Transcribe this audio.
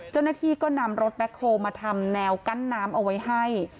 เจ้าหน้าที่ก็นำรถแบ็คโฮลมาทำแนวกั้นน้ำเอาไว้ให้